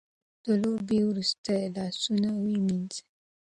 د لوبو وروسته لاسونه ومینځئ.